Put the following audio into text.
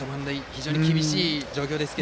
非常に厳しい状況ですが。